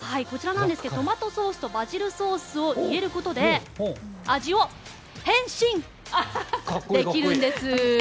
トマトソースとバジルソースを入れることで味を変身できるんです。